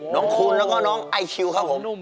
น้องคุณแล้วก็น้องไอคิวครับผม